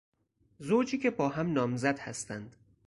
زوجی که با هم نامزد هستند